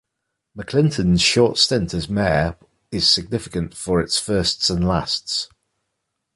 McClinton's short stint as mayor is significant for its firsts and lasts.